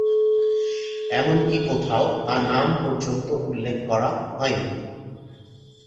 এমনকি কোথাও তার নাম পর্যন্ত উল্লেখ করা হয়নি।